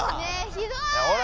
ひどいよ！